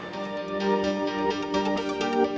kepala kepala kepala